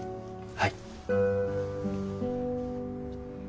はい。